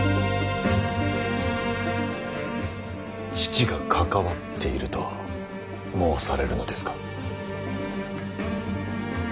父が関わっていると申されるのですか。